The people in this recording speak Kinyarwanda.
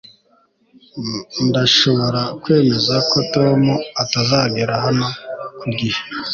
Ndashobora kwemeza ko Tom atazagera hano ku gihe